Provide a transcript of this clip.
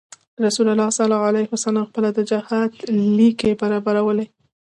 رسول الله صلی علیه وسلم خپله د جهاد ليکې برابرولې.